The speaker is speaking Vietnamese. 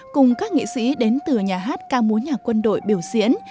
cùng các nghệ sĩ đến từ nhà hát ca múa nhà quân đội biểu diễn